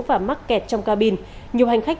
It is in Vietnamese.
và mắc kẹt trong ca bin nhiều hành khách